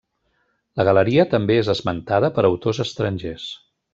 La galeria també és esmentada per autors estrangers.